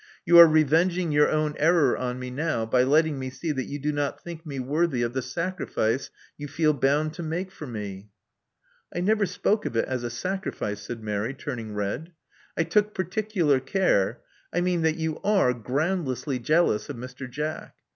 You are revenging your own error on me now by letting me see that you do not think me worthy of the sacrifice you feel bound to make for me. I never spoke of it as a sacrifice," said Mary, turning red. *'I took particular care — I mean that you are groundlessly jealous of Mr. Jack.